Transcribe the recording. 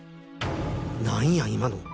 何や今の？